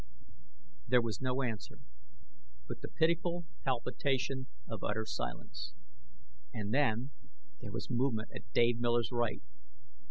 There was no answer but the pitiful palpitation of utter silence. And then, there was movement at Dave Miller's right!